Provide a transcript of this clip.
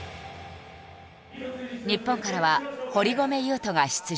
日本からは堀米雄斗が出場。